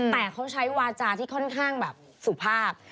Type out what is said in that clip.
แต่เขาใช้วาจาที่ค่อนข้างแบบสุภาพ